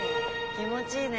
気持ちいいね。